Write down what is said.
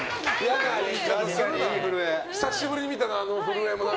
久しぶりに見たな、あの震え。